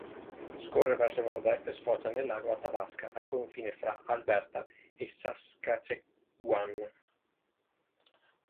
Scorre verso nord-est e sfocia nel lago Athabasca, al confine fra Alberta e Saskatchewan.